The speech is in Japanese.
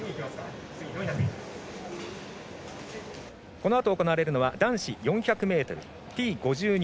このあと行われるのは男子４００ｍＴ５２